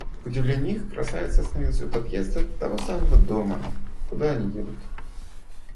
К удивлению их, красавица останавливается у подъезда того самого дома, куда они едут.